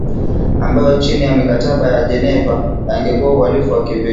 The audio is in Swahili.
ambayo chini ya mikataba ya Geneva yangekuwa uhalifu wa kivita